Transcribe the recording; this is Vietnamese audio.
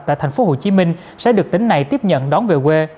tại thành phố hồ chí minh sẽ được tỉnh này tiếp nhận đón về quê